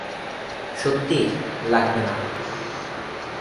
সত্যিই, লাগবে না।